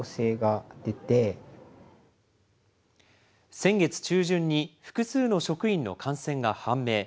先月中旬に複数の職員の感染が判明。